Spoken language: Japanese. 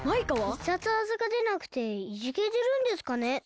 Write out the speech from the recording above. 必殺技がでなくていじけてるんですかね。